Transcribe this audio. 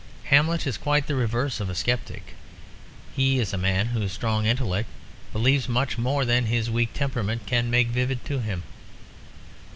Hamlet is quite the reverse of a sceptic. He is a man whose strong intellect believes much more than his weak temperament can make vivid to him.